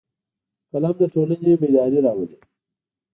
قلم د ټولنې بیداري راولي